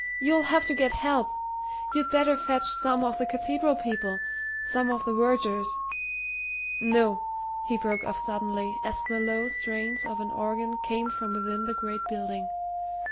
you'll have to get help. You'd better fetch some of the cathedral people some of the vergers. No!" he broke off suddenly, as the low strains of an organ came from within the great building.